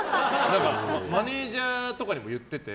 マネジャーとかにも言ってて。